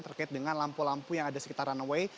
terkait dengan lampu lampu yang ada sekitar runway